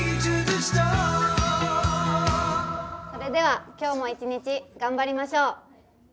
それでは今日も一日、頑張りましょう。